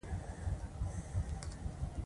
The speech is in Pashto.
ایا ماشوم ته شیدې ورکوئ؟